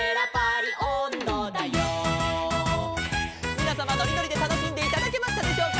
「みなさまのりのりでたのしんでいただけましたでしょうか」